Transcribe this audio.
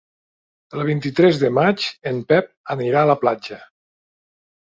El vint-i-tres de maig en Pep anirà a la platja.